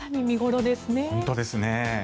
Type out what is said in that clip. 本当ですね。